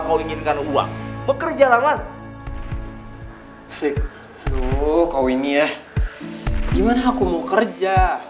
vick aduh kau ini ya gimana aku mau kerja